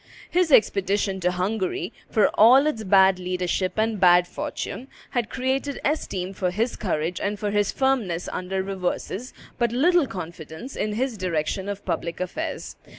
His expedition to Hungary, for all its bad leadership and bad fortune, had created esteem for his courage and for his firmness under reverses, but little confidence in his direction of public affairs.